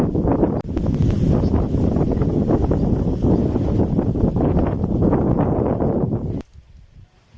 ตอนนี้ต้องไปจนจึง